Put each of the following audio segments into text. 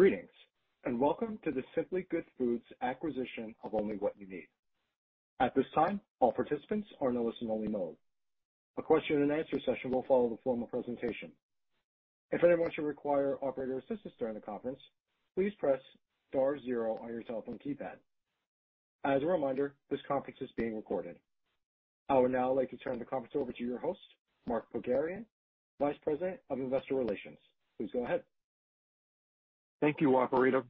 Greetings, and welcome to the Simply Good Foods acquisition of Only What You Need. At this time, all participants are in a listen-only mode. A question-and-answer session will follow the formal presentation. If anyone should require operator assistance during the conference, please press *0 on your telephone keypad. As a reminder, this conference is being recorded. I would now like to turn the conference over to your host, Mark Pogharian, Vice President of Investor Relations. Please go ahead. Thank you, Operator.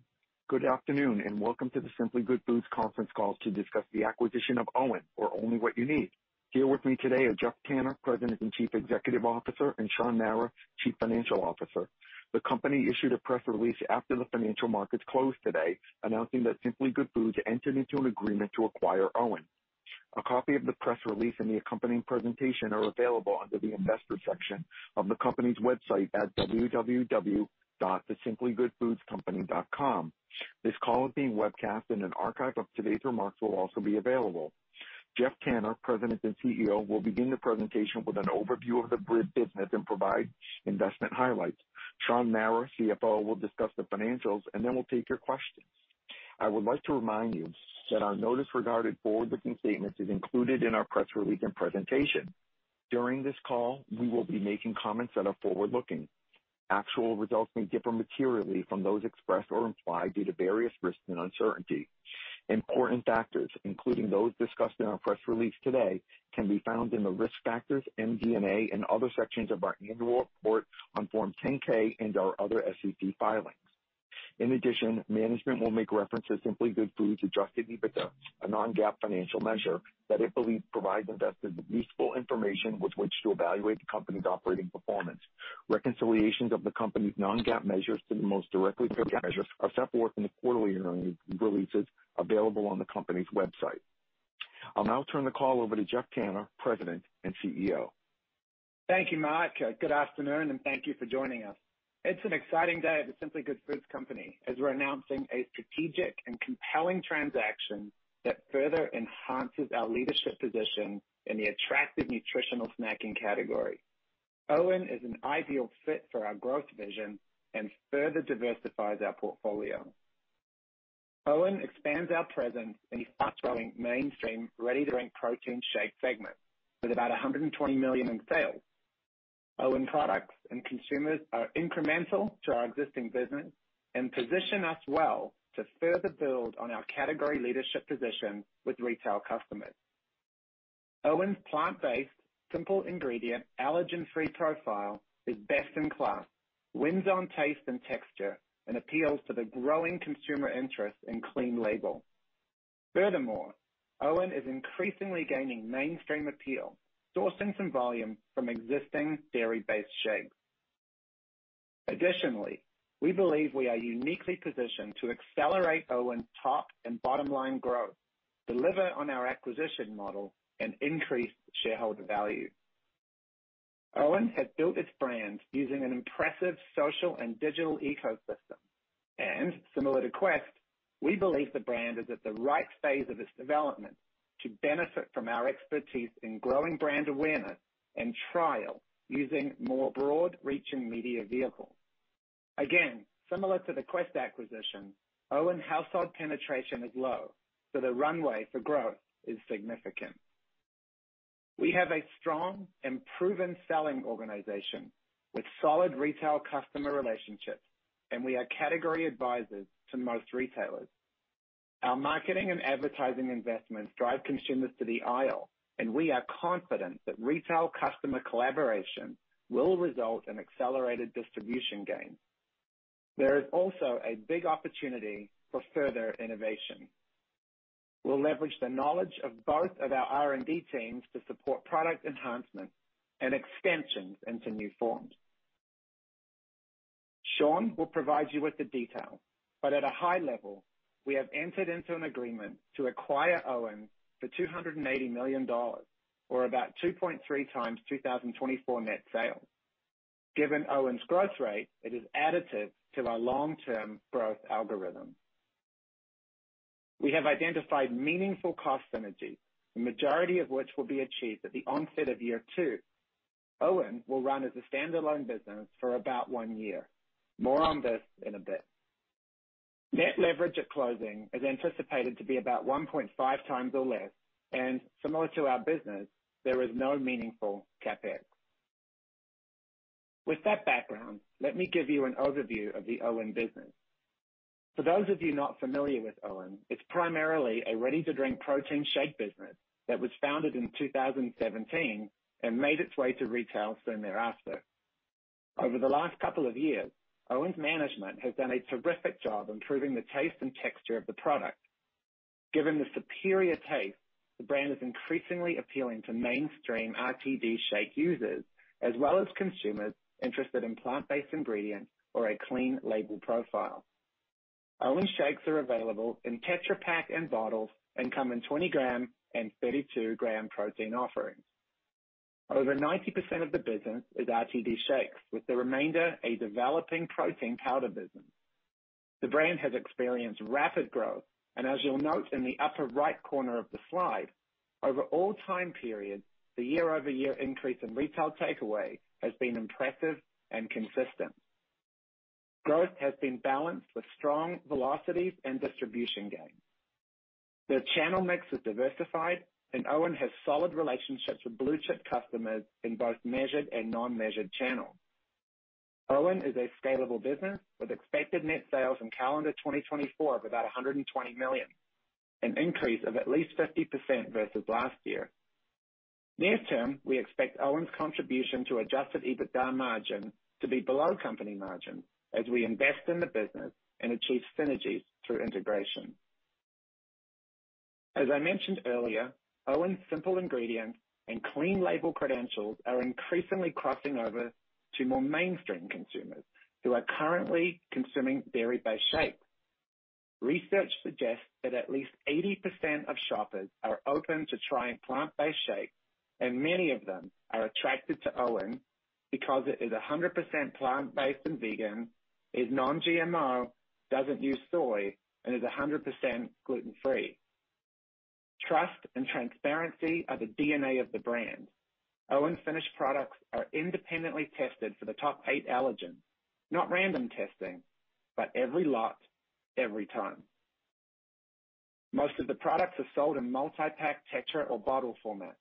Good afternoon, and welcome to the Simply Good Foods conference call to discuss the acquisition of OWYN, or Only What You Need. Here with me today are Geoff Tanner, President and Chief Executive Officer, and Shaun Mara, Chief Financial Officer. The company issued a press release after the financial markets closed today announcing that Simply Good Foods entered into an agreement to acquire OWYN. A copy of the press release and the accompanying presentation are available under the Investor section of the company's website at www.thesimplygoodfoodscompany.com. This call is being webcast, and an archive of today's remarks will also be available. Geoff Tanner, President and CEO, will begin the presentation with an overview of the business and provide investment highlights. Shaun Mara, CFO, will discuss the financials, and then we'll take your questions. I would like to remind you that our notice regarding forward-looking statements is included in our press release and presentation. During this call, we will be making comments that are forward-looking. Actual results may differ materially from those expressed or implied due to various risks and uncertainties. Important factors, including those discussed in our press release today, can be found in the Risk Factors, MD&A, and other sections of our annual report on Form 10-K and our other SEC filings. In addition, management will make reference to Simply Good Foods, adjusted EBITDA, a non-GAAP financial measure that it believes provides investors with useful information with which to evaluate the company's operating performance. Reconciliations of the company's non-GAAP measures to the most directly comparable measures are set forth in the quarterly earnings releases available on the company's website. I'll now turn the call over to Geoff Tanner, President and CEO. Thank you, Mark. Good afternoon, and thank you for joining us. It's an exciting day at The Simply Good Foods Company as we're announcing a strategic and compelling transaction that further enhances our leadership position in the attractive nutritional snacking category. OWYN is an ideal fit for our growth vision and further diversifies our portfolio. OWYN expands our presence in the fast-growing mainstream ready-to-drink protein shake segment with about $120 million in sales. OWYN products and consumers are incremental to our existing business and position us well to further build on our category leadership position with retail customers. OWYN's plant-based, simple ingredient, allergen-free profile is best in class, wins on taste and texture, and appeals to the growing consumer interest in clean label. Furthermore, OWYN is increasingly gaining mainstream appeal, sourcing some volume from existing dairy-based shakes. Additionally, we believe we are uniquely positioned to accelerate OWYN's top and bottom-line growth, deliver on our acquisition model, and increase shareholder value. OWYN has built its brand using an impressive social and digital ecosystem, and similar to Quest, we believe the brand is at the right phase of its development to benefit from our expertise in growing brand awareness and trial using more broad-reaching media vehicles. Again, similar to the Quest acquisition, OWYN household penetration is low, ,so the runway for growth is significant. We have a strong and proven selling organization with solid retail customer relationships, and we are category advisors to most retailers. Our marketing and advertising investments drive consumers to the aisle, and we are confident that retail customer collaboration will result in accelerated distribution gains. There is also a big opportunity for further innovation. We'll leverage the knowledge of both of our R&D teams to support product enhancement and extensions into new forms. Shaun will provide you with the details, but at a high level, we have entered into an agreement to acquire OWYN for $280 million, or about 2.3 times 2024 net sales. Given OWYN's growth rate, it is additive to our long-term growth algorithm. We have identified meaningful cost synergies, the majority of which will be achieved at the onset of year two. OWYN will run as a standalone business for about one year. More on this in a bit. Net leverage at closing is anticipated to be about 1.5 times or less, and similar to our business, there is no meaningful CapEx. With that background, let me give you an overview of the OWYN business. For those of you not familiar with OWYN, it's primarily a ready-to-drink protein shake business that was founded in 2017 and made its way to retail soon thereafter. Over the last couple of years, OWYN's management has done a terrific job improving the taste and texture of the product. Given the superior taste, the brand is increasingly appealing to mainstream RTD shake users as well as consumers interested in plant-based ingredients or a clean label profile. OWYN shakes are available in Tetra Pak and bottles and come in 20-gram and 32-gram protein offerings. Over 90% of the business is RTD shakes, with the remainder a developing protein powder business. The brand has experienced rapid growth, and as you'll note in the upper right corner of the slide, over all time periods, the year-over-year increase in retail takeaway has been impressive and consistent. Growth has been balanced with strong velocities and distribution gains. The channel mix is diversified, and OWYN has solid relationships with blue-chip customers in both measured and non-measured channels. OWYN is a scalable business with expected net sales in calendar 2024 of about $120 million, an increase of at least 50% versus last year. Near term, we expect OWYN's contribution to adjusted EBITDA margin to be below company margin as we invest in the business and achieve synergies through integration. As I mentioned earlier, OWYN's simple ingredients and clean label credentials are increasingly crossing over to more mainstream consumers who are currently consuming dairy-based shakes. Research suggests that at least 80% of shoppers are open to trying plant-based shakes, and many of them are attracted to OWYN because it is 100% plant-based and vegan, is non-GMO, doesn't use soy, and is 100% gluten-free. Trust and transparency are the DNA of the brand. OWYN's finished products are independently tested for the top eight allergens, not random testing, but every lot, every time. Most of the products are sold in multi-pack, Tetra, or bottle format,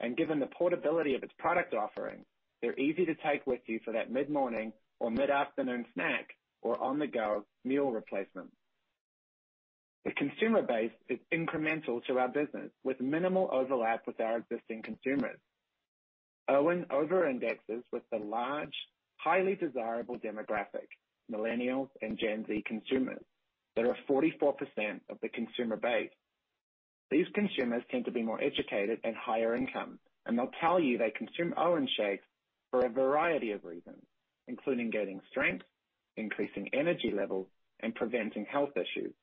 and given the portability of its product offering, they're easy to take with you for that mid-morning or mid-afternoon snack or on-the-go meal replacement. The consumer base is incremental to our business with minimal overlap with our existing consumers. OWYN over-indexes with the large, highly desirable demographic, millennials and Gen Z consumers, that are 44% of the consumer base. These consumers tend to be more educated and higher income, and they'll tell you they consume OWYN shakes for a variety of reasons, including gaining strength, increasing energy levels, and preventing health issues.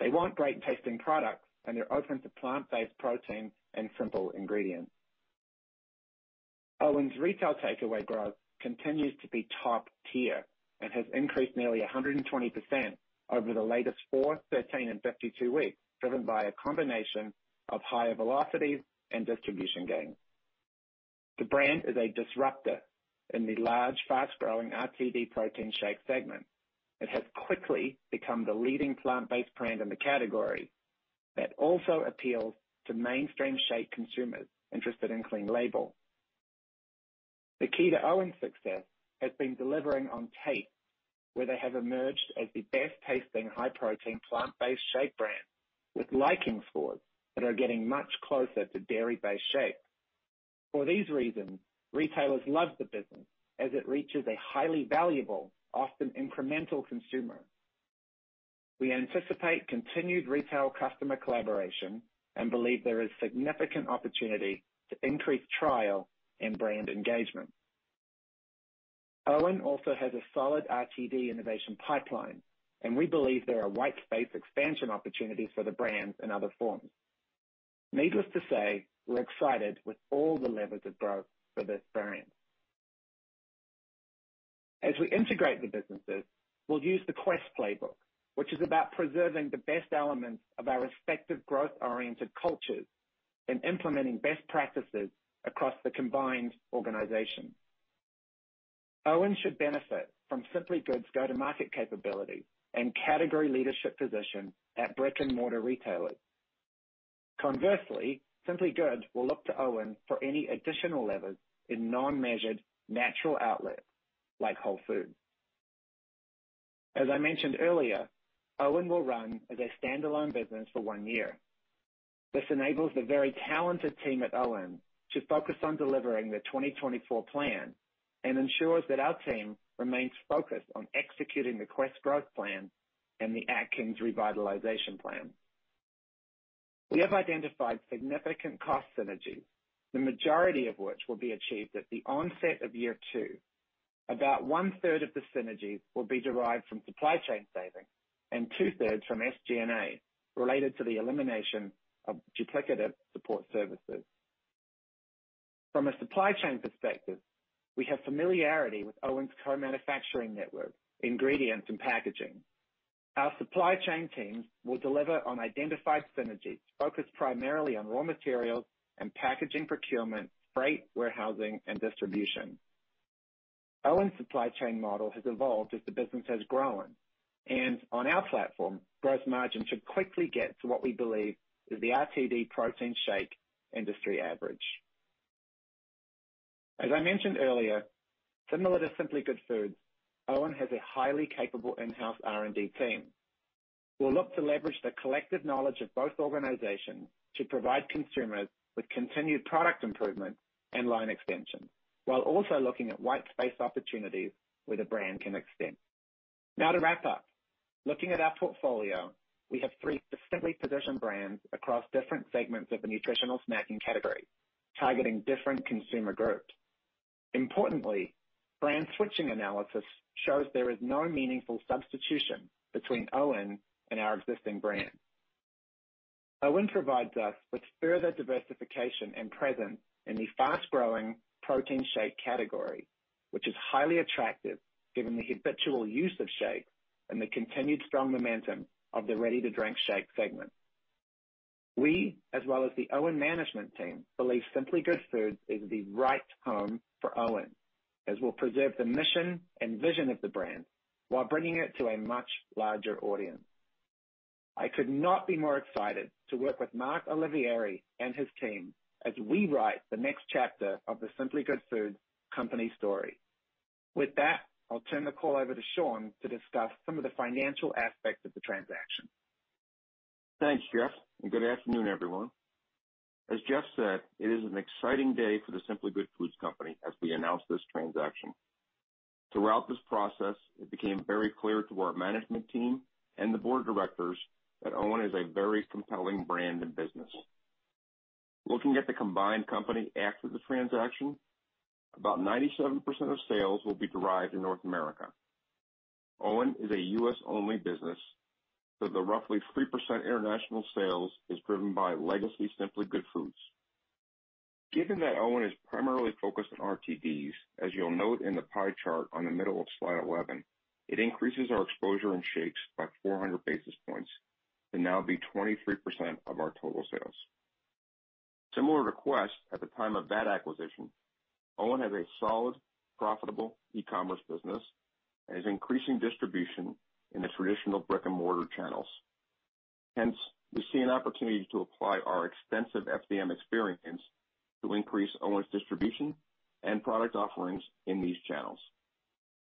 They want great-tasting products, and they're open to plant-based protein and simple ingredients. OWYN's retail takeaway growth continues to be top-tier and has increased nearly 120% over the latest 4, 13, and 52 weeks, driven by a combination of higher velocities and distribution gains. The brand is a disruptor in the large, fast-growing RTD protein shake segment. It has quickly become the leading plant-based brand in the category that also appeals to mainstream shake consumers interested in clean label. The key to OWYN's success has been delivering on taste, where they have emerged as the best-tasting high-protein plant-based shake brand with liking scores that are getting much closer to dairy-based shakes. For these reasons, retailers love the business as it reaches a highly valuable, often incremental consumer. We anticipate continued retail customer collaboration and believe there is significant opportunity to increase trial and brand engagement. OWYN also has a solid RTD innovation pipeline, and we believe there are white-space expansion opportunities for the brand in other forms. Needless to say, we're excited with all the levers of growth for this brand. As we integrate the businesses, we'll use the Quest playbook, which is about preserving the best elements of our respective growth-oriented cultures and implementing best practices across the combined organization. OWYN should benefit from Simply Good's go-to-market capability and category leadership position at brick-and-mortar retailers. Conversely, Simply Good will look to OWYN for any additional levers in non-measured, natural outlets like Whole Foods. As I mentioned earlier, OWYN will run as a standalone business for one year. This enables the very talented team at OWYN to focus on delivering the 2024 plan and ensures that our team remains focused on executing the Quest growth plan and the Atkins revitalization plan. We have identified significant cost synergies, the majority of which will be achieved at the onset of year two. About one-third of the synergies will be derived from supply chain savings and two-thirds from SG&A related to the elimination of duplicative support services. From a supply chain perspective, we have familiarity with OWYN's co-manufacturing network, ingredients, and packaging. Our supply chain teams will deliver on identified synergies focused primarily on raw materials and packaging procurement, freight, warehousing, and distribution. OWYN's supply chain model has evolved as the business has grown, and on our platform, gross margin should quickly get to what we believe is the RTD protein shake industry average. As I mentioned earlier, similar to Simply Good Foods, OWYN has a highly capable in-house R&D team. We'll look to leverage the collective knowledge of both organizations to provide consumers with continued product improvement and line extension while also looking at white-space opportunities where the brand can extend. Now to wrap up. Looking at our portfolio, we have three distinctly positioned brands across different segments of the nutritional snacking category, targeting different consumer groups. Importantly, brand switching analysis shows there is no meaningful substitution between OWYN and our existing brand. OWYN provides us with further diversification and presence in the fast-growing protein shake category, which is highly attractive given the habitual use of shakes and the continued strong momentum of the ready-to-drink shake segment. We, as well as the OWYN management team, believe Simply Good Foods is the right home for OWYN as we'll preserve the mission and vision of the brand while bringing it to a much larger audience. I could not be more excited to work with Mark Olivieri and his team as we write the next chapter of The Simply Good Foods Company story. With that, I'll turn the call over to Shaun to discuss some of the financial aspects of the transaction. Thanks, Geoff, and good afternoon, everyone. As Geoff said, it is an exciting day for The Simply Good Foods Company as we announce this transaction. Throughout this process, it became very clear to our management team and the board of directors that OWYN is a very compelling brand and business. Looking at the combined company after the transaction, about 97% of sales will be derived in North America. OWYN is a U.S.-only business, so the roughly 3% international sales is driven by legacy Simply Good Foods. Given that OWYN is primarily focused on RTDs, as you'll note in the pie chart on the middle of slide 11, it increases our exposure in shakes by 400 basis points to now be 23% of our total sales. Similar to Quest at the time of that acquisition, OWYN has a solid, profitable e-commerce business and is increasing distribution in the traditional brick-and-mortar channels. Hence, we see an opportunity to apply our extensive FDM experience to increase OWYN's distribution and product offerings in these channels.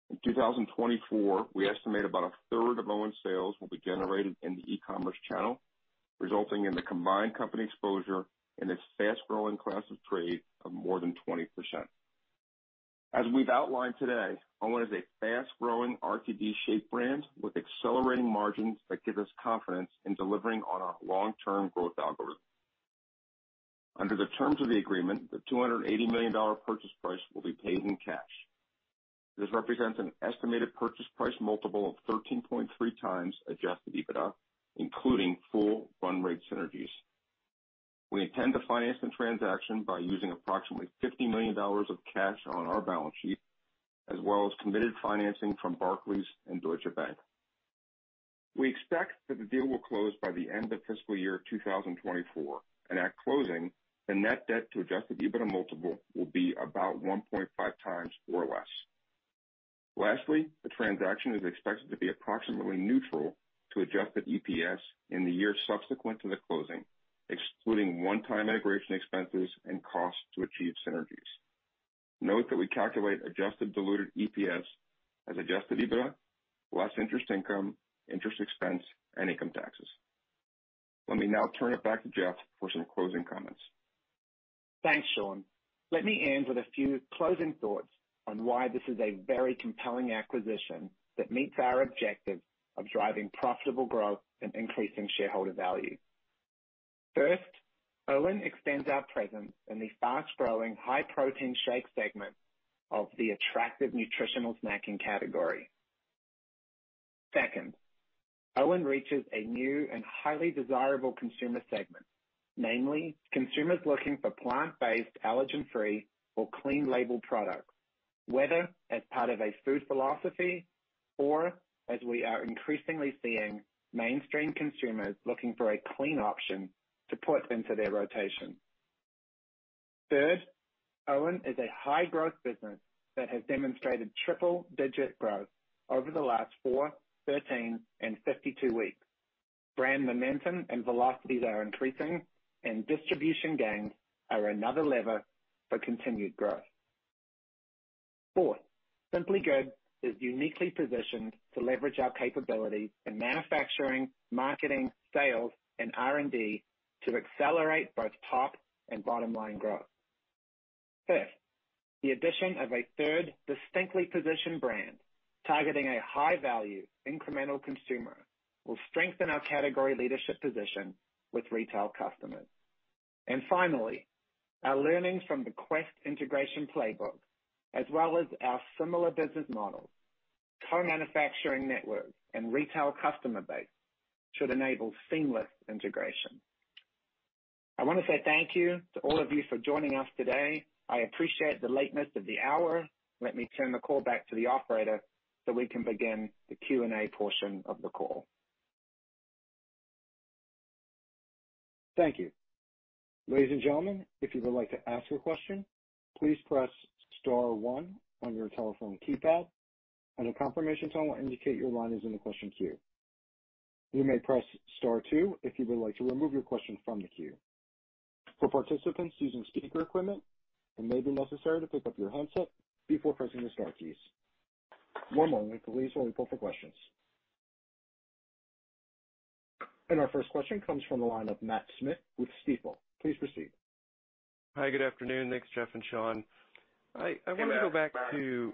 In 2024, we estimate about a third of OWYN's sales will be generated in the e-commerce channel, resulting in the combined company exposure in its fast-growing class of trade of more than 20%. As we've outlined today, OWYN is a fast-growing RTD shake brand with accelerating margins that give us confidence in delivering on our long-term growth algorithm. Under the terms of the agreement, the $280 million purchase price will be paid in cash. This represents an estimated purchase price multiple of 13.3x adjusted EBITDA, including full run-rate synergies. We intend to finance the transaction by using approximately $50 million of cash on our balance sheet as well as committed financing from Barclays and Deutsche Bank. We expect that the deal will close by the end of fiscal year 2024, and at closing, the net debt to Adjusted EBITDA multiple will be about 1.5x or less. Lastly, the transaction is expected to be approximately neutral to Adjusted EPS in the year subsequent to the closing, excluding one-time integration expenses and costs to achieve synergies. Note that we calculate Adjusted Diluted EPS as Adjusted EBITDA, less interest income, interest expense, and income taxes. Let me now turn it back to Geoff for some closing comments. Thanks, Shaun. Let me end with a few closing thoughts on why this is a very compelling acquisition that meets our objectives of driving profitable growth and increasing shareholder value. First, OWYN extends our presence in the fast-growing high-protein shake segment of the attractive nutritional snacking category. Second, OWYN reaches a new and highly desirable consumer segment, namely consumers looking for plant-based, allergen-free, or clean label products, whether as part of a food philosophy or, as we are increasingly seeing, mainstream consumers looking for a clean option to put into their rotation. Third, OWYN is a high-growth business that has demonstrated triple-digit growth over the last 4, 13, and 52 weeks. Brand momentum and velocities are increasing, and distribution gains are another lever for continued growth. Fourth, Simply Good is uniquely positioned to leverage our capabilities in manufacturing, marketing, sales, and R&D to accelerate both top and bottom-line growth. Fifth, the addition of a third distinctly positioned brand targeting a high-value, incremental consumer will strengthen our category leadership position with retail customers. And finally, our learnings from the Quest integration playbook, as well as our similar business models, co-manufacturing network, and retail customer base, should enable seamless integration. I want to say thank you to all of you for joining us today. I appreciate the lateness of the hour. Let me turn the call back to the operator so we can begin the Q&A portion of the call. Thank you. Ladies and gentlemen, if you would like to ask a question, please press star 1 on your telephone keypad, and a confirmation tone will indicate your line is in the question queue. You may press star 2 if you would like to remove your question from the queue. For participants using speaker equipment, it may be necessary to pick up your handset before pressing the star keys. One moment, please, while we pull for questions. Our first question comes from the line of Matt Smith with Stifel. Please proceed. Hi, good afternoon. Thanks, Geoff and Shaun. I want to go back to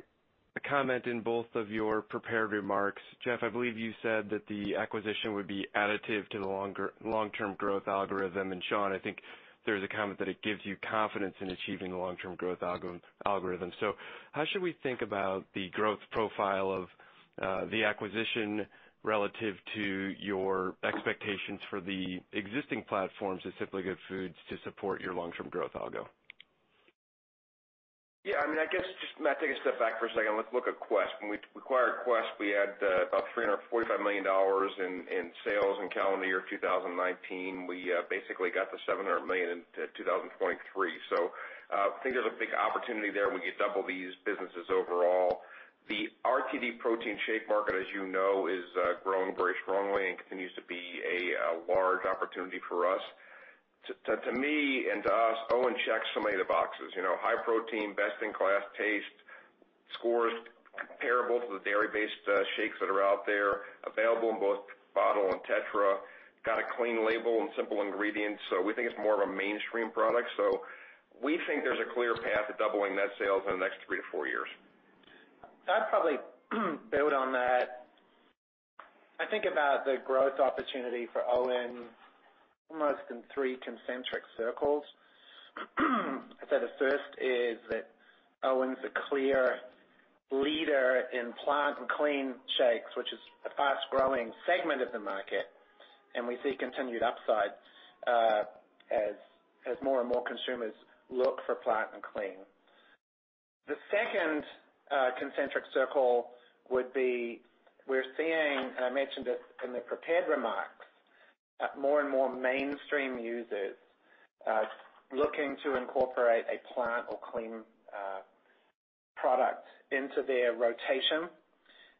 a comment in both of your prepared remarks. Geoff, I believe you said that the acquisition would be additive to the long-term growth algorithm, and Shaun, I think there's a comment that it gives you confidence in achieving the long-term growth algorithm. So how should we think about the growth profile of the acquisition relative to your expectations for the existing platforms at Simply Good Foods to support your long-term growth algo? Yeah, I mean, I guess just Matt, take a step back for a second. Let's look at Quest. When we acquired Quest, we had about $345 million in sales, and calendar year 2019, we basically got the $700 million into 2023. So, I think there's a big opportunity there, and we could double these businesses overall. The RTD protein shake market, as you know, is growing very strongly and continues to be a large opportunity for us. To me and to us, OWYN checks so many of the boxes: high protein, best-in-class taste, scores comparable to the dairy-based shakes that are out there, available in both bottle and Tetra, got a clean label and simple ingredients. So, we think it's more of a mainstream product. So, we think there's a clear path to doubling net sales in the next 3-4 years. I'd probably build on that. I think about the growth opportunity for OWYN almost in three concentric circles. I'd say the first is that OWYN's a clear leader in plant and clean shakes, which is a fast-growing segment of the market, and we see continued upside as more and more consumers look for plant and clean. The second concentric circle would be we're seeing, and I mentioned this in the prepared remarks, more and more mainstream users looking to incorporate a plant or clean product into their rotation.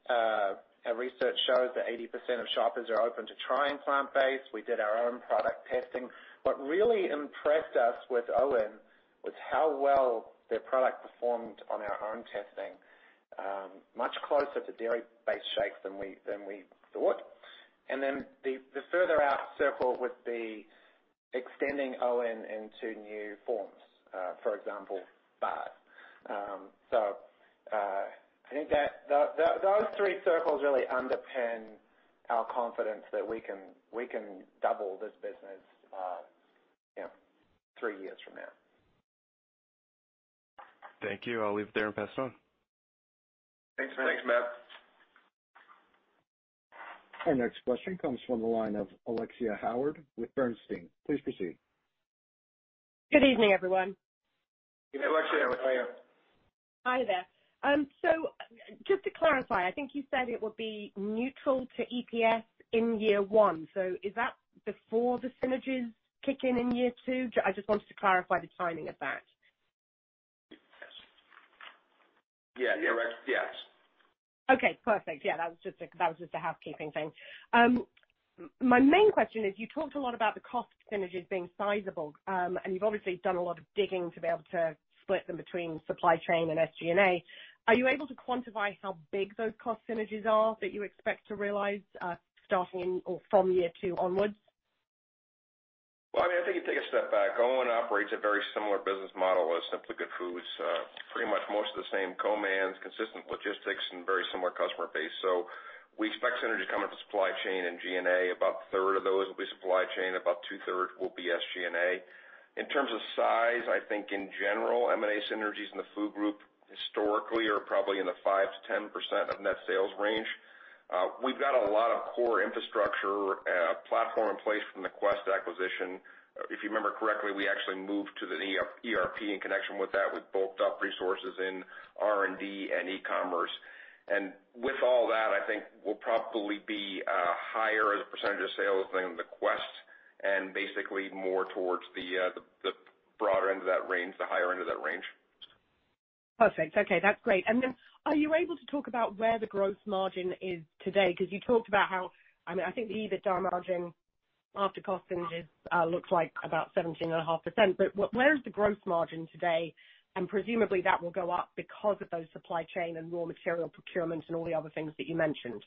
Our research shows that 80% of shoppers are open to trying plant-based. We did our own product testing. What really impressed us with OWYN was how well their product performed on our own testing, much closer to dairy-based shakes than we thought. And then the further out circle would be extending OWYN into new forms, for example, bars. I think those three circles really underpin our confidence that we can double this business three years from now. Thank you. I'll leave it there and pass it on. Thanks, Matt. Thanks, Matt. Our next question comes from the line of Alexia Howard with Bernstein. Please proceed. Good evening, everyone. Good evening, Alexia. How are you? Hi there. So just to clarify, I think you said it would be neutral to EPS in year one. So is that before the synergies kick in in year two? I just wanted to clarify the timing of that. Yes. Yes. Okay. Perfect. Yeah, that was just a housekeeping thing. My main question is, you talked a lot about the cost synergies being sizable, and you've obviously done a lot of digging to be able to split them between supply chain and SG&A. Are you able to quantify how big those cost synergies are that you expect to realize starting in or from year two onwards? Well, I mean, I think you take a step back. OWYN operates a very similar business model as Simply Good Foods, pretty much most of the same co-mans, consistent logistics, and very similar customer base. So we expect synergies coming from supply chain and G&A. About a third of those will be supply chain, about two-thirds will be SG&A. In terms of size, I think in general, M&A synergies in the food group historically are probably in the 5%-10% of net sales range. We've got a lot of core infrastructure platform in place from the Quest acquisition. If you remember correctly, we actually moved to the ERP. In connection with that, we bulked up resources in R&D and e-commerce. With all that, I think we'll probably be higher as a percentage of sales than the Quest and basically more towards the broader end of that range, the higher end of that range. Perfect. Okay, that's great. And then are you able to talk about where the gross margin is today? Because you talked about how I mean, I think the EBITDA margin after cost synergies looks like about 17.5%. But where is the gross margin today? And presumably, that will go up because of those supply chain and raw material procurement and all the other things that you mentioned.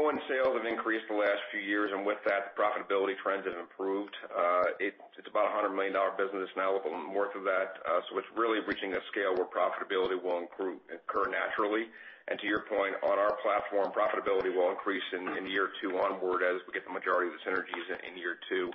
Yeah, I mean, I think OWYN's sales have increased the last few years, and with that, the profitability trends have improved. It's about a $100 million business now, a little bit more than that. So it's really reaching a scale where profitability will occur naturally. And to your point, on our platform, profitability will increase in year two onward as we get the majority of the synergies in year two.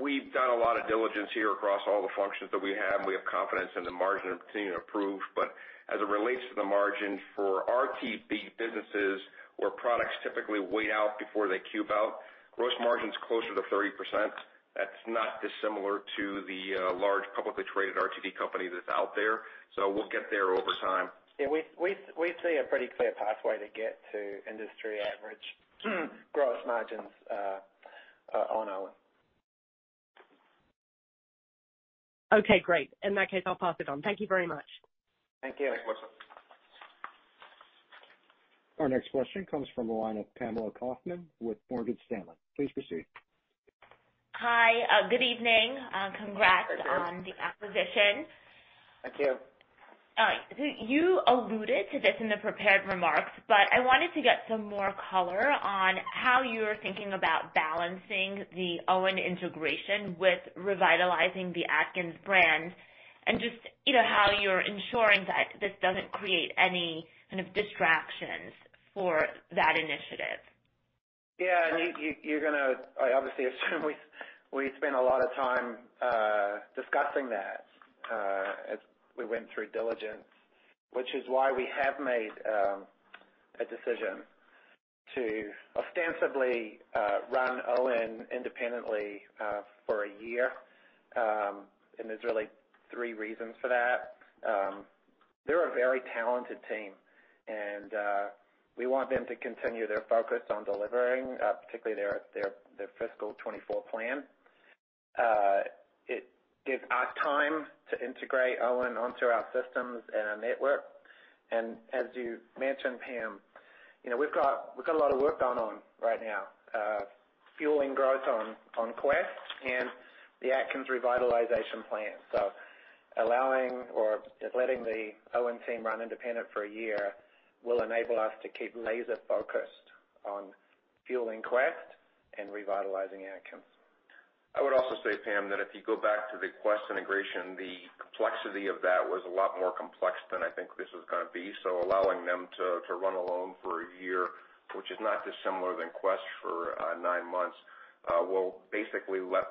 We've done a lot of diligence here across all the functions that we have, and we have confidence in the margin continuing to improve. But as it relates to the margin for RTD businesses where products typically weigh out before they cube out, gross margin's closer to 30%. That's not dissimilar to the large publicly traded RTD company that's out there. So we'll get there over time. Yeah, we see a pretty clear pathway to get to industry-average gross margins on OWYN. Okay, great. In that case, I'll pass it on. Thank you very much. Thank you. Thanks, Marcel. Our next question comes from the line of Pamela Kaufman with Morgan Stanley. Please proceed. Hi. Good evening. Congrats on the acquisition. Thank you. You alluded to this in the prepared remarks, but I wanted to get some more color on how you're thinking about balancing the OWYN integration with revitalizing the Atkins brand and just how you're ensuring that this doesn't create any kind of distractions for that initiative? Yeah, and you're going to obviously assume we spent a lot of time discussing that as we went through diligence, which is why we have made a decision to ostensibly run OWYN independently for a year. And there's really three reasons for that. They're a very talented team, and we want them to continue their focus on delivering, particularly their fiscal 2024 plan. It gives us time to integrate OWYN onto our systems and our network. And as you mentioned, Pam, we've got a lot of work going on right now, fueling growth on Quest and the Atkins revitalization plan. So allowing or letting the OWYN team run independent for a year will enable us to keep laser-focused on fueling Quest and revitalizing Atkins. I would also say, Pam, that if you go back to the Quest integration, the complexity of that was a lot more complex than I think this is going to be. So allowing them to run alone for a year, which is not dissimilar than Quest for nine months, will basically let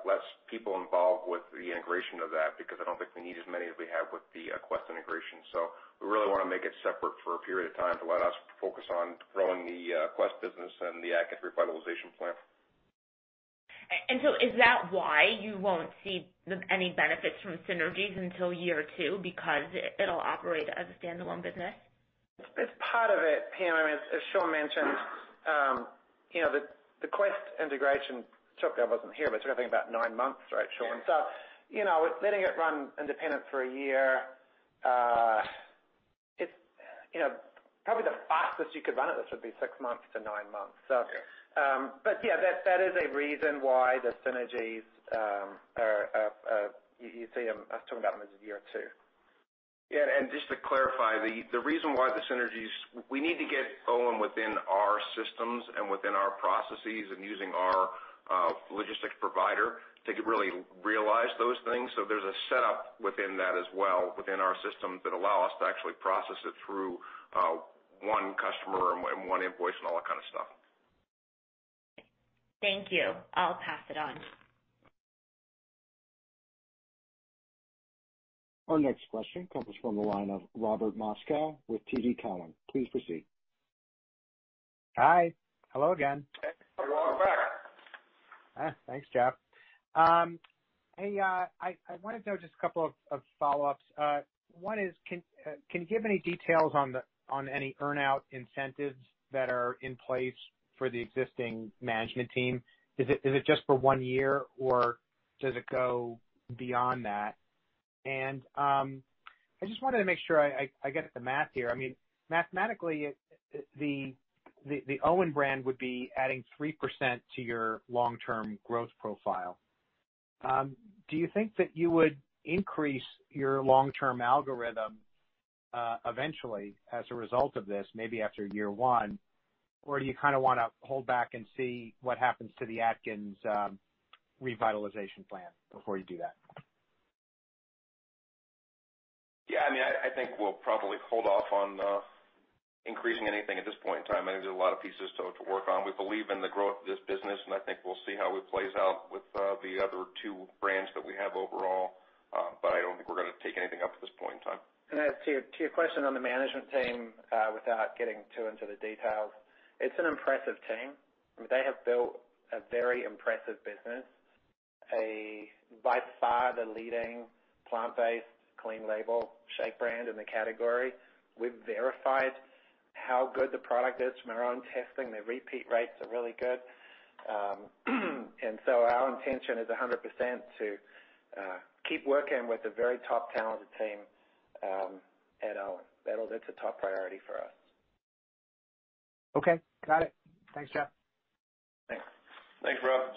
people involved with the integration of that because I don't think we need as many as we have with the Quest integration. So we really want to make it separate for a period of time to let us focus on growing the Quest business and the Atkins revitalization plan. And so is that why you won't see any benefits from synergies until year two because it'll operate as a standalone business? It's part of it, Pam. I mean, as Shaun mentioned, the Quest integration—sorry, that wasn't here, but it took I think about 9 months, right, Shaun? So letting it run independent for a year, probably the fastest you could run at this would be 6 months-9 months. But yeah, that is a reason why the synergies are you seeing us talking about them as year 2. Yeah, and just to clarify, the reason why the synergies we need to get OWYN within our systems and within our processes and using our logistics provider to really realize those things. So there's a setup within that as well, within our systems, that allows us to actually process it through one customer and one invoice and all that kind of stuff. Thank you. I'll pass it on. Our next question comes from the line of Robert Moskow with TD Cowen. Please proceed. Hi. Hello again. You're welcome back. Thanks, Geoff. Hey, I wanted to know just a couple of follow-ups. One is, can you give any details on any earnout incentives that are in place for the existing management team? Is it just for one year, or does it go beyond that? And I just wanted to make sure I get the math here. I mean, mathematically, the OWYN brand would be adding 3% to your long-term growth profile. Do you think that you would increase your long-term algorithm eventually as a result of this, maybe after year one, or do you kind of want to hold back and see what happens to the Atkins revitalization plan before you do that? Yeah, I mean, I think we'll probably hold off on increasing anything at this point in time. I think there's a lot of pieces to work on. We believe in the growth of this business, and I think we'll see how it plays out with the other two brands that we have overall. But I don't think we're going to take anything up at this point in time. To your question on the management team without getting too into the details, it's an impressive team. I mean, they have built a very impressive business, by far the leading plant-based, clean label shake brand in the category. We've verified how good the product is from our own testing. Their repeat rates are really good. So our intention is 100% to keep working with the very top talented team at OWYN. That's a top priority for us. Okay. Got it. Thanks, Geoff. Thanks. Thanks, Rob.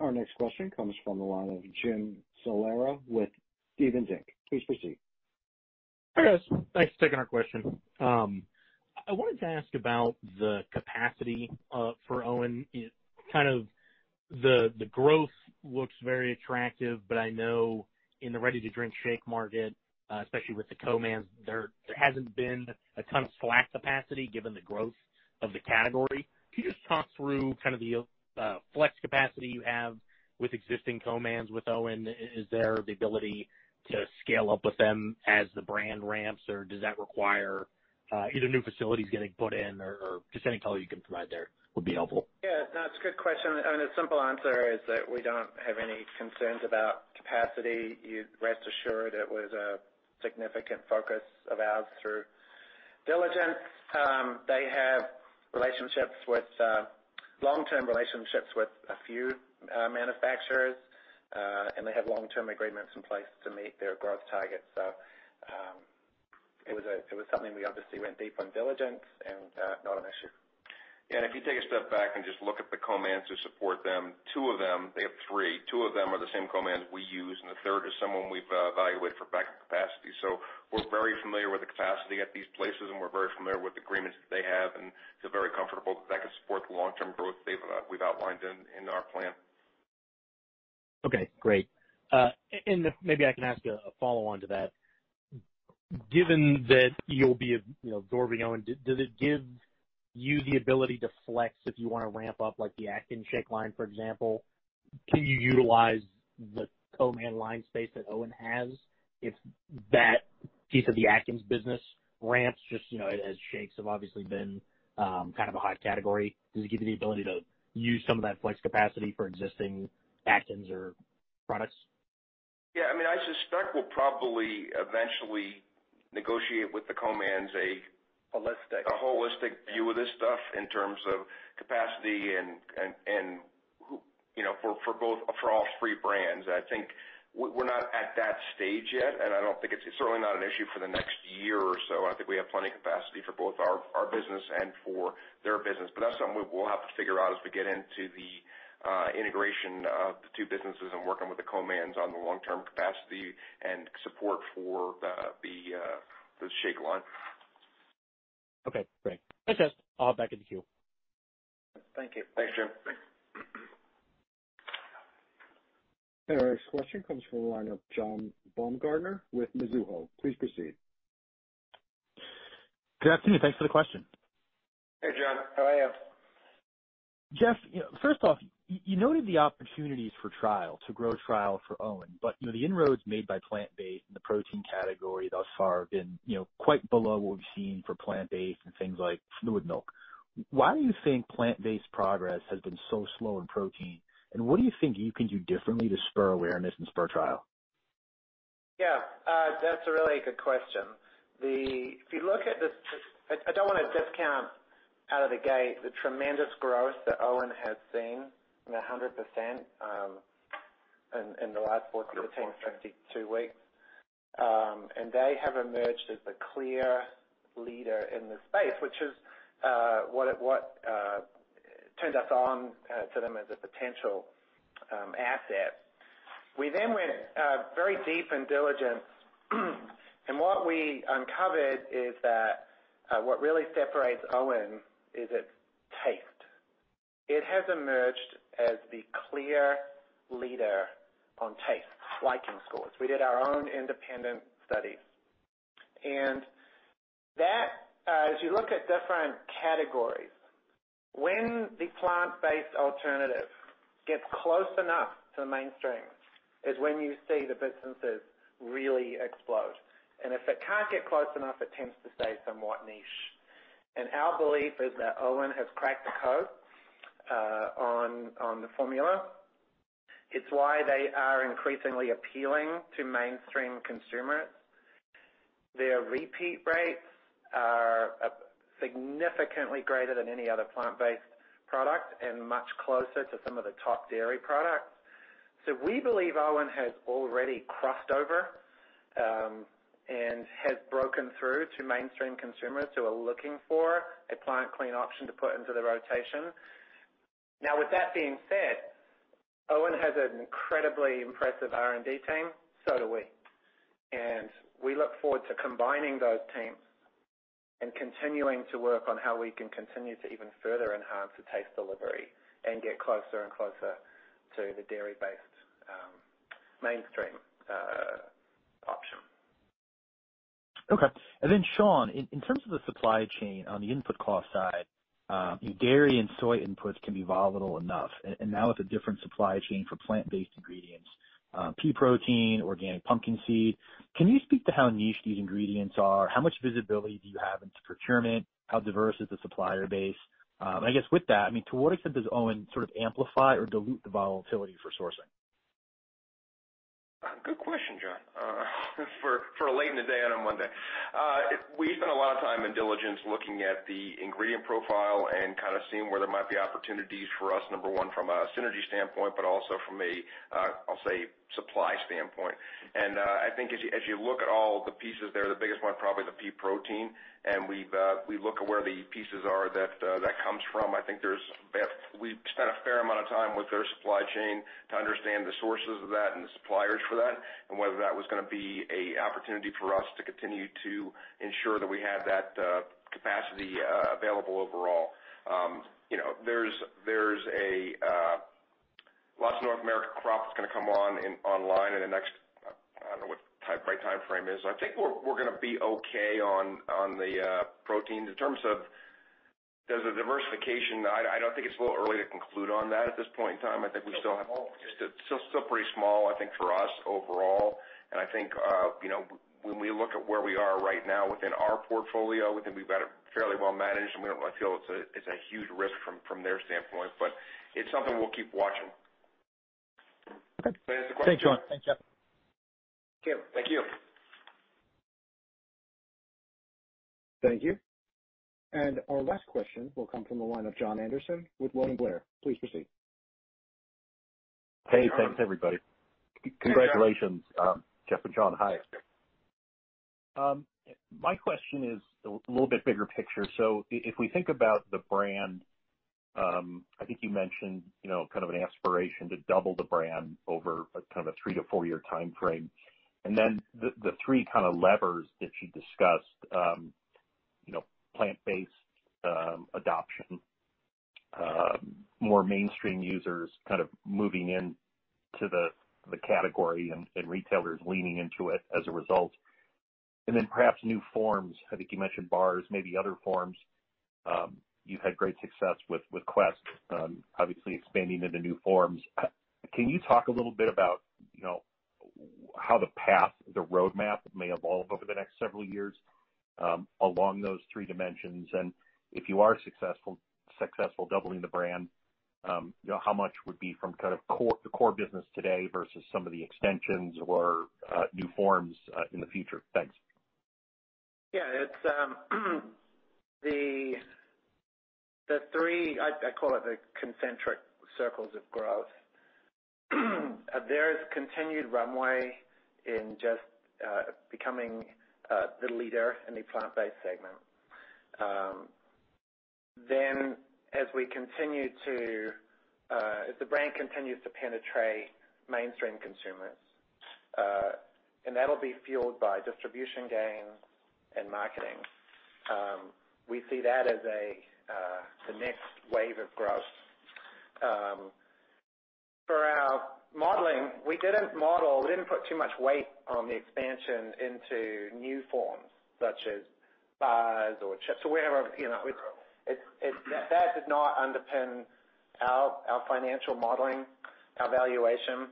Our next question comes from the line of Jim Salera with Stephens Inc. Please proceed. Hi guys. Thanks for taking our question. I wanted to ask about the capacity for OWYN. Kind of the growth looks very attractive, but I know in the ready-to-drink shake market, especially with the co-mans, there hasn't been a ton of slack capacity given the growth of the category. Can you just talk through kind of the flex capacity you have with existing co-mans with OWYN? Is there the ability to scale up with them as the brand ramps, or does that require either new facilities getting put in or just any color you can provide there would be helpful? Yeah, no, it's a good question. I mean, the simple answer is that we don't have any concerns about capacity. Rest assured, it was a significant focus of ours through diligence. They have long-term relationships with a few manufacturers, and they have long-term agreements in place to meet their growth targets. So it was something we obviously went deep on diligence and not an issue. Yeah, and if you take a step back and just look at the co-mans to support them, two of them they have three. Two of them are the same co-mans we use, and the third is someone we've evaluated for backup capacity. So we're very familiar with the capacity at these places, and we're very familiar with the agreements that they have. It's very comfortable that that could support the long-term growth we've outlined in our plan. Okay, great. Maybe I can ask a follow-on to that. Given that you'll be absorbing OWYN, does it give you the ability to flex if you want to ramp up the Atkins shake line, for example? Can you utilize the co-man line space that OWYN has if that piece of the Atkins business ramps? Just as shakes have obviously been kind of a hot category, does it give you the ability to use some of that flex capacity for existing Atkins or products? Yeah, I mean, I suspect we'll probably eventually negotiate with the co-mans a holistic view of this stuff in terms of capacity and for all three brands. I think we're not at that stage yet, and I don't think it's certainly not an issue for the next year or so. I think we have plenty of capacity for both our business and for their business. But that's something we'll have to figure out as we get into the integration of the two businesses and working with the co-mans on the long-term capacity and support for the shake line. Okay, great. Thanks, guys. I'll hop back in the queue. Thank you. Thanks, Jim. Our next question comes from the line of John Baumgartner with Mizuho. Please proceed. Good afternoon. Thanks for the question. Hey, John. How are you? Geoff, first off, you noted the opportunities for trial, to grow trial for OWYN. But the inroads made by plant-based in the protein category thus far have been quite below what we've seen for plant-based and things like fluid milk. Why do you think plant-based progress has been so slow in protein? And what do you think you can do differently to spur awareness and spur trial? Yeah, that's a really good question. If you look at this, I don't want to discount out of the gate the tremendous growth that OWYN has seen, 100%, in the last 14-15 weeks. And they have emerged as the clear leader in this space, which is what turned us on to them as a potential asset. We then went very deep in diligence. And what we uncovered is that what really separates OWYN is its taste. It has emerged as the clear leader on taste, liking scores. We did our own independent studies. And as you look at different categories, when the plant-based alternative gets close enough to the mainstream is when you see the businesses really explode. And if it can't get close enough, it tends to stay somewhat niche. And our belief is that OWYN has cracked the code on the formula. It's why they are increasingly appealing to mainstream consumers. Their repeat rates are significantly greater than any other plant-based product and much closer to some of the top dairy products. So, we believe OWYN has already crossed over and has broken through to mainstream consumers who are looking for a plant-based option to put into their rotation. Now, with that being said, OWYN has an incredibly impressive R&D team. So do we. And we look forward to combining those teams and continuing to work on how we can continue to even further enhance the taste delivery and get closer and closer to the dairy-based mainstream option. Okay. And then Shaun, in terms of the supply chain on the input cost side, dairy and soy inputs can be volatile enough. And now it's a different supply chain for plant-based ingredients, pea protein, organic pumpkin seed. Can you speak to how niche these ingredients are? How much visibility do you have into procurement? How diverse is the supplier base? And I guess with that, I mean, to what extent does OWYN sort of amplify or dilute the volatility for sourcing? Good question, John, for a late in the day and on Monday. We spent a lot of time in diligence looking at the ingredient profile and kind of seeing where there might be opportunities for us, number one, from a synergy standpoint, but also from a, I'll say, supply standpoint. I think as you look at all the pieces there, the biggest one is probably the pea protein. We look at where the pieces are that that comes from. I think we spent a fair amount of time with their supply chain to understand the sources of that and the suppliers for that and whether that was going to be an opportunity for us to continue to ensure that we had that capacity available overall. There's a lot of North American crop that's going to come online in the next—I don't know—what type of right time frame is. I think we're going to be okay on the protein in terms of the diversification. I don't think it's a little early to conclude on that at this point in time. I think we still have—it's still pretty small, I think, for us overall. And I think when we look at where we are right now within our portfolio, we've got it fairly well managed, and we don't really feel it's a huge risk from their standpoint. But it's something we'll keep watching. Does that answer the question? Thanks, Shaun. Thanks, Geoff. Thank you. Thank you. And our last question will come from the line of Jon Andersen with William Blair. Please proceed. Hey, thanks, everybody. Congratulations, Geoff and John. Hi. My question is a little bit bigger picture. So, if we think about the brand, I think you mentioned kind of an aspiration to double the brand over kind of a 3-4-year time frame. And then the three kind of levers that you discussed: plant-based adoption, more mainstream users' kind of moving into the category, and retailers leaning into it as a result, and then perhaps new forms. I think you mentioned bars, maybe other forms. You've had great success with Quest, obviously expanding into new forms. Can you talk a little bit about how the path, the roadmap, may evolve over the next several years along those three dimensions? And if you are successful doubling the brand, how much would be from kind of the core business today versus some of the extensions or new forms in the future? Thanks. Yeah, it's the three I call it the concentric circles of growth. There is continued runway in just becoming the leader in the plant-based segment. Then as the brand continues to penetrate mainstream consumers, and that'll be fueled by distribution gains and marketing, we see that as the next wave of growth. For our modeling, we didn't put too much weight on the expansion into new forms such as bars or chips or whatever. That did not underpin our financial modeling, our valuation.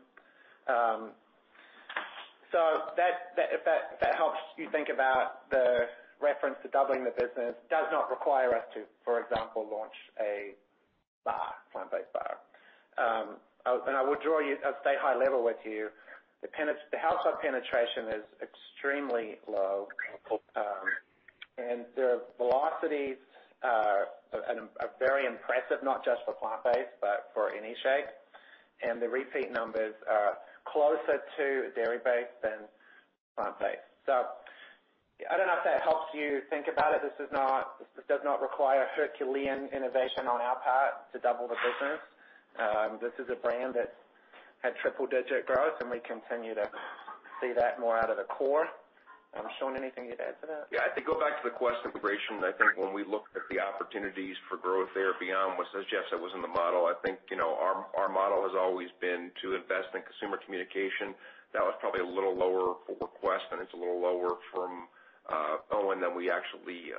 So, if that helps you think about the reference to doubling the business, it does not require us to, for example, launch a bar, plant-based bar. I'll stay high level with you. The household penetration is extremely low. And their velocities are very impressive, not just for plant-based but for any shake. The repeat numbers are closer to dairy-based than plant-based. I don't know if that helps you think about it. This does not require Herculean innovation on our part to double the business. This is a brand that had triple-digit growth, and we continue to see that more out of the core. Shaun, anything you'd add to that. Yeah, I think going back to the question, Grayson, I think when we looked at the opportunities for growth there beyond, as Geoff said, was in the model. I think our model has always been to invest in consumer communication. That was probably a little lower for Quest, and it's a little lower for OWYN than we actually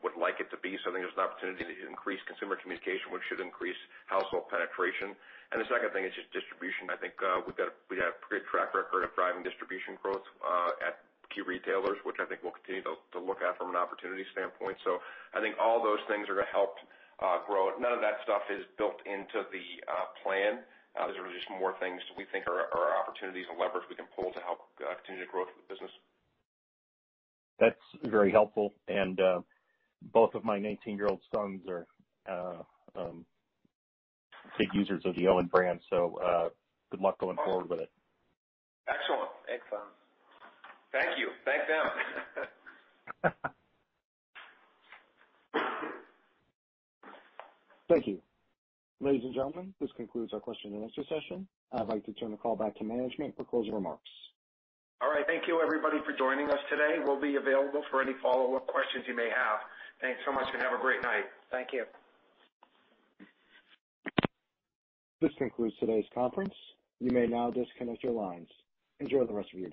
would like it to be. So, I think there's an opportunity to increase consumer communication, which should increase household penetration. And the second thing is just distribution. I think we have a pretty good track record of driving distribution growth at key retailers, which I think we'll continue to look at from an opportunity standpoint. So I think all those things are going to help grow. None of that stuff is built into the plan. These are just more things that we think are opportunities and levers we can pull to help continue to growth of the business. That's very helpful. Both of my 19-year-old sons are big users of the OWYN brand. Good luck going forward with it. Excellent. Excellent. Thank you. Thank them. Thank you. Ladies and gentlemen, this concludes our question-and-answer session. I'd like to turn the call back to management for closing remarks. All right. Thank you, everybody, for joining us today. We'll be available for any follow-up questions you may have. Thanks so much and have a great night. Thank you. This concludes today's conference. You may now disconnect your lines. Enjoy the rest of your day.